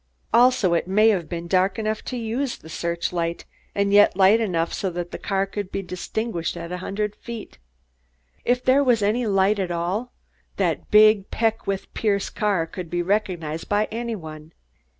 Also, it may have been dark enough to use the search light and yet light enough so that a car could be distinguished at a hundred feet. If there was any light at all, that big Peckwith Pierce car could be recognized by any one."